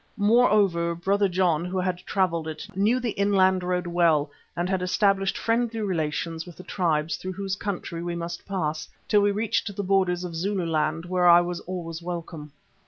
Moreover, Brother John, who had travelled it, knew the inland road well and had established friendly relations with the tribes through whose country we must pass, till we reached the brothers of Zululand, where I was always welcome.